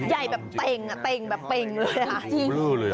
ใหญ่แบบเต็งแบบเต็งแบบเต็งเลยค่ะ